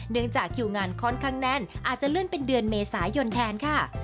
จากคิวงานค่อนข้างแน่นอาจจะเลื่อนเป็นเดือนเมษายนแทนค่ะ